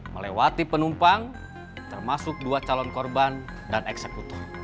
melewati penumpang termasuk dua calon korban dan eksekutor